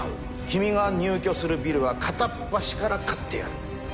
君が入居するビルは片っ端から買ってやる。